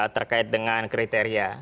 terkait dengan kriteria